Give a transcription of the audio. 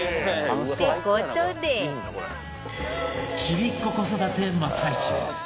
ちびっこ子育て真っ最中！